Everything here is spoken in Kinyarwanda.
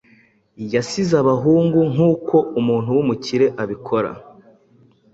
Yasize abahungu nkuko umuntu wumukire abikora